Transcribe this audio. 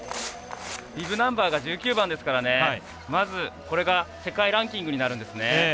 ビブナンバーが１９番ですからまずこれが世界ランキングになるんですね。